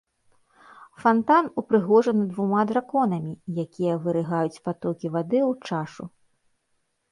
Фантан упрыгожаны двума драконамі, якія вырыгаюць патокі вады ў чашу.